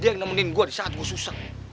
dia yang nemenin gua disaat gua susah